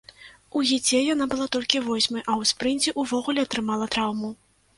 У гіце яна была толькі восьмай, а ў спрынце ўвогуле атрымала траўму.